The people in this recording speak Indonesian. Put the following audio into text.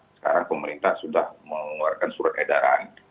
sekarang pemerintah sudah mengeluarkan surat edaran